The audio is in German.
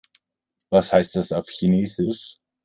Was heißt das auf Chinesisch?